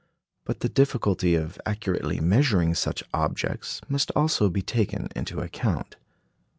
But the difficulty of accurately measuring such objects must also be taken into account.